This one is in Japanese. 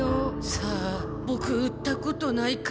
さあボク売ったことないから。